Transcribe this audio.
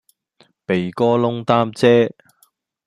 鼻哥窿擔遮